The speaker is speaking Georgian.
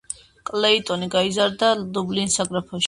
კლეიტონი გაიზარდა დუბლინის საგრაფოში.